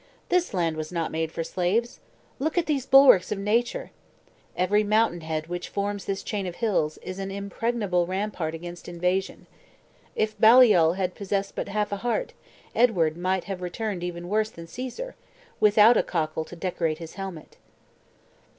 "This land was not made for slaves. Look at these bulwarks of nature! Every mountain head which forms this chain of hills is an impregnable rampart against invasion. If Baliol had possessed but half a heart, Edward might have returned even worse than Caesar without a cockle to decorate his helmet."